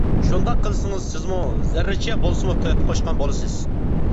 شۇنداق قىلسىڭىز سىزمۇ زەررىچە بولسىمۇ تۆھپە قوشقان بولىسىز.